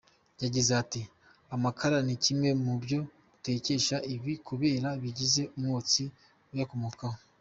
Yagize ati“Amakara ni kimwe mu byo gutekesha bibi kubera ibigize umwotsi uyakomokaho.